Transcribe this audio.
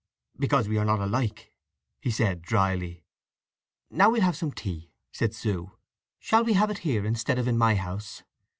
"Because we are not alike," he said drily. "Now we'll have some tea," said Sue. "Shall we have it here instead of in my house?